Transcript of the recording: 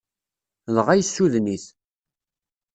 Dɣa yessuden-it.